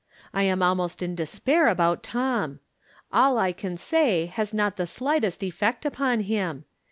I am almost in despair about Tom. All I can say has not the slightest effect upon him.